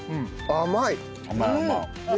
甘い。